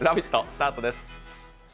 スタートです。